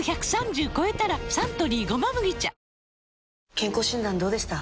健康診断どうでした？